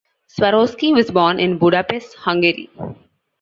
Swarowsky was born in Budapest, Hungary.